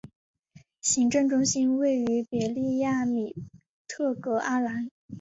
行政中心位于别利亚米特格阿兰。